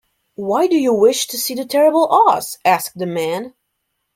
Why do you wish to see the terrible Oz? asked the man.